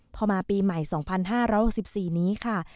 พอมาปีใหม่๒๐๑๕แล้ว๖๔นี้ค่ะ